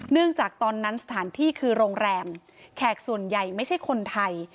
จากตอนนั้นสถานที่คือโรงแรมแขกส่วนใหญ่ไม่ใช่คนไทย